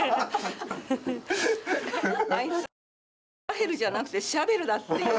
あいつは「サヘル」じゃなくて「シャベル」だっていう。